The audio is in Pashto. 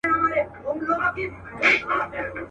زه مي خپل نصیب له سور او تال سره زدوولی یم.